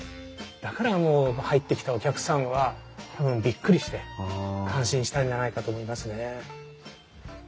だから入ってきたお客さんは多分びっくりして感心したんじゃないかと思いますね。